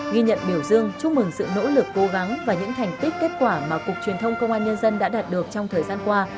ghi nhận biểu dương chúc mừng sự nỗ lực cố gắng và những thành tích kết quả mà cục truyền thông công an nhân dân đã đạt được trong thời gian qua